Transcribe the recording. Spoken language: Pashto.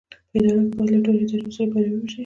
په ادارو کې باید له ټولو اداري اصولو پیروي وشي.